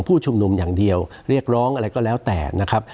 ผู้ชุมนุมอย่างเดียวเรียกร้องอะไรก็แล้วแต่นะครับ